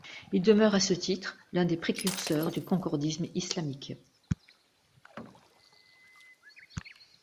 Il demeure à ce titre, l'un des précurseurs du concordisme islamique.